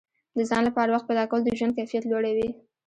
د ځان لپاره وخت پیدا کول د ژوند کیفیت لوړوي.